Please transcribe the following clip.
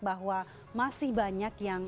bahwa masih banyak yang